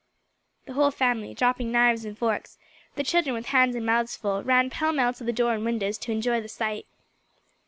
The whole family, dropping knives and forks, the children with hands and mouths full, ran pell mell to door and windows to enjoy the sight.